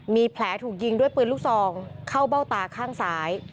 มีแผลถูกยิงด้วยปืนลูกซองเข้าเบ้าตาข้างซ้าย